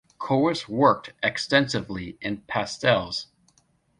Choris worked extensively in pastels.